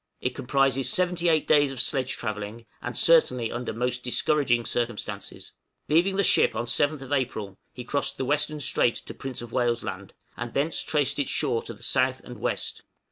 It comprises seventy eight days of sledge travelling, and certainly under most discouraging circumstances. Leaving the ship on 7th April, he crossed the western strait to Prince of Wales' Land, and thence traced its shore to the south and west.